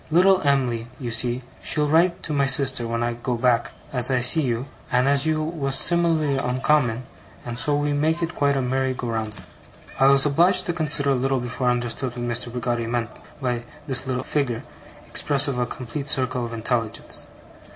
Little Em'ly, you see, she'll write to my sister when I go back, as I see you and as you was similarly oncommon, and so we make it quite a merry go rounder.' I was obliged to consider a little before I understood what Mr. Peggotty meant by this figure, expressive of a complete circle of intelligence.